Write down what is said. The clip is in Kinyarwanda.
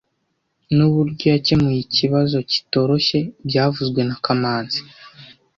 Nuburyo yakemuye ikibazo kitoroshye byavuzwe na kamanzi